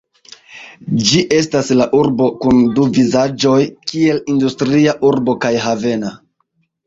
Ĝi estas la urbo kun du vizaĝoj kiel industria urbo kaj havena.